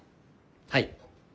はい。